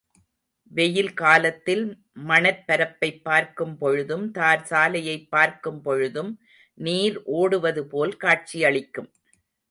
வெயில் காலத்தில் மணற்பரப்பைப் பார்க்கும் பொழுதும் தார் சாலையைப் பார்க்கும் பொழுதும் நீர் ஒடுவது போல் காட்சியளிக்கும்.